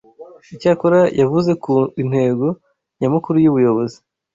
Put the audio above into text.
Icyakora yavuze ku intego nyamukuru y’ubuyobozi